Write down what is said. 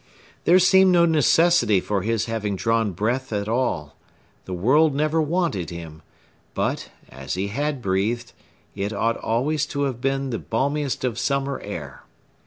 There seemed no necessity for his having drawn breath at all; the world never wanted him; but, as he had breathed, it ought always to have been the balmiest of summer air.